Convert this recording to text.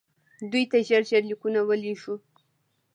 دوی ته ژر ژر لیکونه ولېږو.